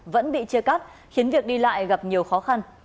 vẫn bị chia cắt khiến việc đi lại gặp nhiều khó khăn